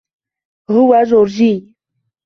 هو جورجي.